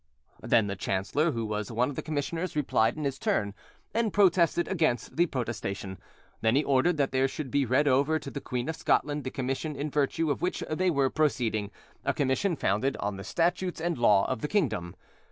Then the chancellor, who was one of the commissioners, replied in his turn, and protested against the protestation; then he ordered that there should be read over to the Queen of Scotland the commission in virtue of which they were proceeding—a commission founded on the statutes and law of the kingdom.